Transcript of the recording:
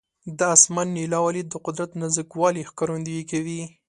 د اسمان نیلاوالی د قدرت نازک والي ښکارندویي کوي.